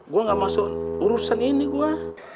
gua gak masuk urusan ini gua